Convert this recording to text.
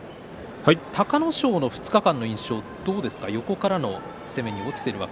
隆の勝の２日間の印象はいかがですか。